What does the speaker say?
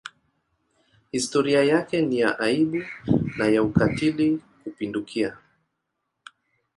Historia yake ni ya aibu na ya ukatili kupindukia.